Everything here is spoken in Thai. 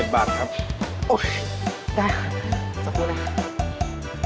๑๗บาทครับโอ๊ยได้ครับสักครู่นะครับ